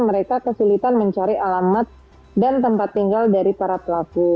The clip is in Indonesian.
mereka kesulitan mencari alamat dan tempat tinggal dari para pelaku